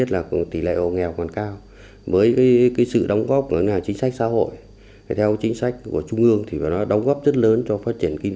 tỉ lệ hộ nghèo hai nghìn một mươi tám giảm chỉ còn hai mươi một